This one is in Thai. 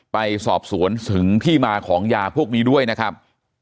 ไปสอบสวนถึงที่มาของยาพวกนี้ด้วยนะครับ